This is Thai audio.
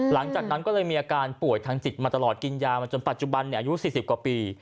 หลังจากนั้นก็เลยมีอาการป่วยทางจิตมาตลอดกินยามาจนปัจจุบันอายุ๔๐กว่าปี